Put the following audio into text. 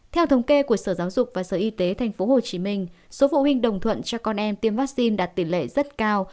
theo thống kê của sở giáo dục và sở y tế tp hcm số phụ huynh đồng thuận cho con em tiêm vaccine đạt tỷ lệ rất cao